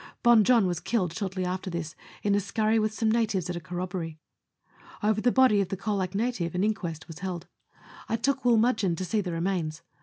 Bon Jon was killed shortly after this in a scurry with some natives at a corrobboree. Over the body of the Colac native an inquest was held. I took Woolmudgeu to see the re mains.